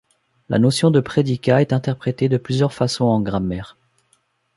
La notion de prédicat est interprétée de plusieurs façons en grammaire.